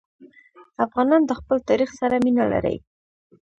افغانان د خپل تاریخ سره مینه لري.